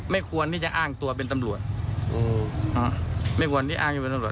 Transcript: ไม่ควรให้อ้างตัวเป็นตำรวจ